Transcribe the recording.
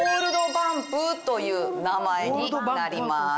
という名前になります。